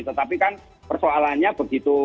tetapi kan persoalannya begitu